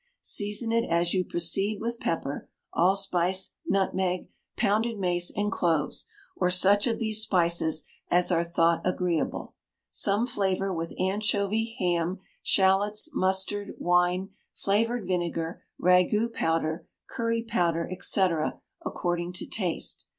Season it as you proceed with pepper, allspice, nutmeg, pounded mace, and cloves, or such of these spices as are thought agreeable. Some flavour with anchovy, ham, shalots, mustard, wine, flavoured vinegar, ragoût powder, curry powder, &c., according to taste.